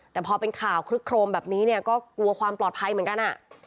แต่พอเป็นข่าวคลึกโครมแบบนี้เนี่ยก็กลัวความปลอดภัยเหมือนกัน